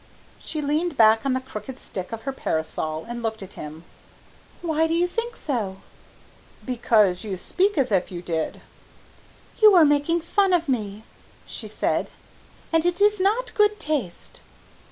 She leaned back on the crooked stick of her parasol, and looked at him. "Why do you think so?" "Because you speak as if you did." "You are making fun of me," she said, "and it is not good taste."